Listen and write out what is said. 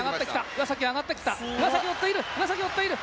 岩崎上がってきた！